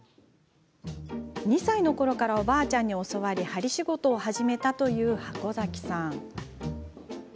２歳のころからおばあちゃんに教わり針仕事を始めたという箱崎さん。